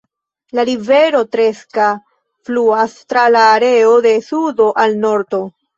La rivero Treska fluas tra la areo de sudo al nordo.